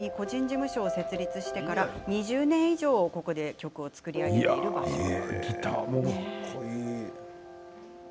３０代前半個人事務所を設立してから２０年以上曲を作り上げている場所です。